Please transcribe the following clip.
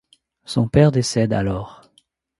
Son père décède alors.